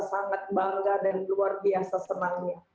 sangat bangga dan luar biasa senangnya